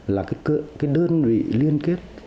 là đơn vị liên kết